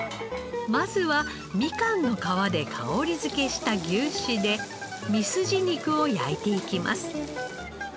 まずはみかんの皮で香り付けした牛脂でミスジ肉を焼いていきます。